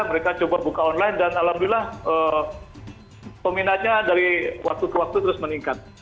mereka coba buka online dan alhamdulillah peminatnya dari waktu ke waktu terus meningkat